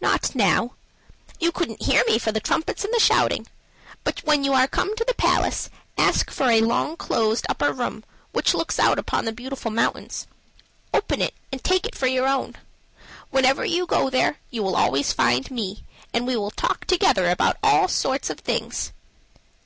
"Not now. You couldn't hear me for the trumpets and the shouting. But when you are come to the palace, ask for a long closed upper room, which looks out upon the Beautiful Mountains; open it and take it for your own. Whenever you go there you will always find me, and we will talk together about all sorts of things."